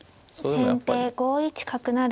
先手５一角成。